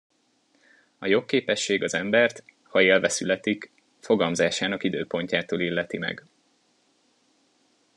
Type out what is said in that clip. A jogképesség az embert, ha élve születik, fogamzásának időpontjától illeti meg.